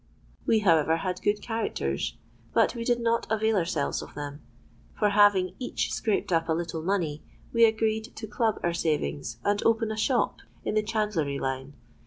We, however, had good characters, but we did not avail ourselves of them—for, having each scraped up a little money, we agreed to club our savings, and open a shop in the chandlery line.